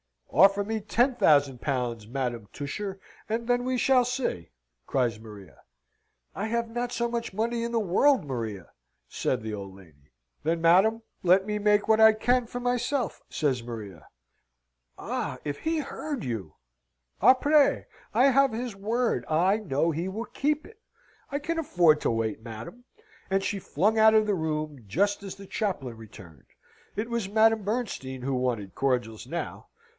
"Offer me ten thousand pounds, Madam Tusher, and then we will see!" cries Maria. "I have not so much money in the world, Maria," said the old lady. "Then, madam, let me make what I can for myself!" says Maria. "Ah, if he heard you?" "Apres? I have his word. I know he will keep it. I can afford to wait, madam," and she flung out of the room, just as the chaplain returned. It was Madame Bernstein who wanted cordials now.